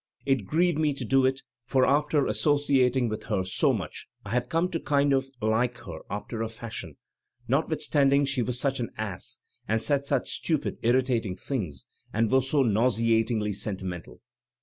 It grieved me to do it, for after associating with her so much I had come to kind of like her after a fashion, notwithstanding she was such an ass and said such stupid, irritating things, and was so nauseatingly sentimental.